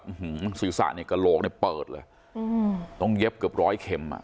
อืมหืมศิสาเนกลกน่ะเปิดเลยอืมต้องเย็บเกือบร้อยเข็มอ่ะ